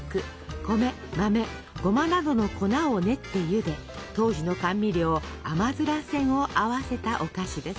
米豆ごまなどの粉を練ってゆで当時の甘味料甘煎を合わせたお菓子です。